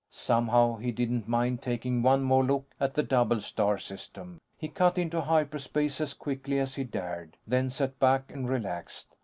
Somehow, he didn't mind taking one more look at the double star system. He cut into hyperspace as quickly as he dared; then sat back and relaxed.